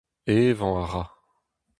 Evañ a ra.